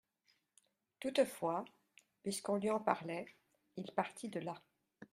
Toutefois, puisqu'on lui en parlait, il partit de là.